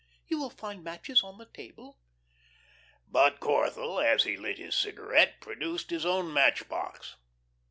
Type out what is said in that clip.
You will find matches on the table." But Corthell, as he lit his cigarette, produced his own match box.